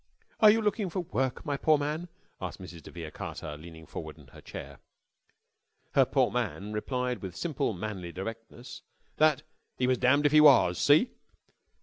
"Are you looking for work, my poor man?" asked Mrs. de Vere Carter, leaning forward in her chair. Her poor man replied with simple, manly directness that he "was dam'd if he was. See?"